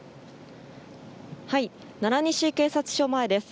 奈良西警察署前です。